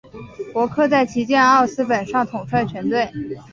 伯克在旗舰奥斯本上统帅全队。